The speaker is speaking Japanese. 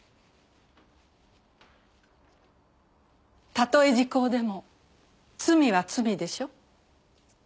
たとえ時効でも罪は罪でしょ？